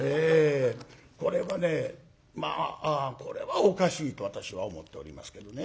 これはねまあこれはおかしいと私は思っておりますけどね。